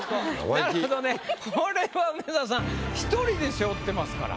これは梅沢さん１人で背負ってますから。